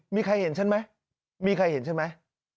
มีใครเห็นฉันไหมมีใครเห็นฉันไหม